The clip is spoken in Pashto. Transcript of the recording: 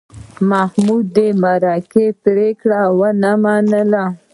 محمود د مرکې پرېکړه ونه منله.